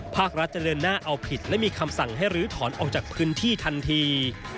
ภาครัฐจะเดินหน้าเอาผิดและมีคำสั่งให้ลื้อถอนออกจากพื้นที่ทันที